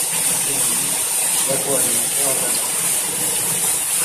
Monsieur le ministre, l’agroalimentaire va mal.